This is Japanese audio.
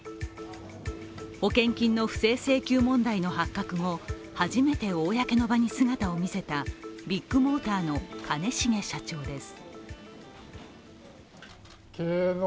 保険金の不正請求問題の発覚後、初めて公の場に姿を見せたビッグモーターの兼重社長です。